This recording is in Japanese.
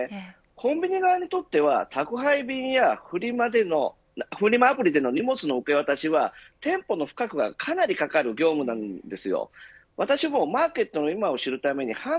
コンビニ側にとっては宅配便やフリマアプリでの荷物の受け渡しは店舗の負荷がかなりかかる量なんです。